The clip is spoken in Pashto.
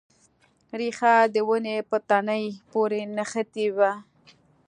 ریښه د ونې په تنې پورې نښتې وه.